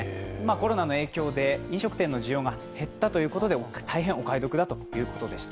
コロナの影響で飲食店の需要が減ったことで大変お買い得だということでした。